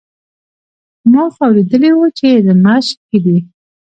ما خو اورېدلي وو چې د مشق کې دی.